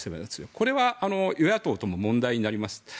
これは与野党とも問題になります。